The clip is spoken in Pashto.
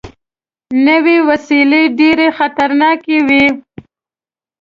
نوې وسلې ډېرې خطرناکې وي